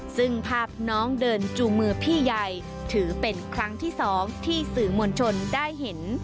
ซึ่งภาพน้องเดินจูงมือพี่ใหญ่ถือเป็นครั้งที่๒ที่สื่อมวลชนได้เห็น